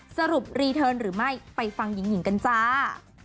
สรุปรีเทิร์นหรือไม่ไปฟังหญิงหญิงกันจ้า